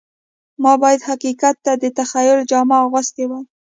ما باید حقیقت ته د تخیل جامه اغوستې وای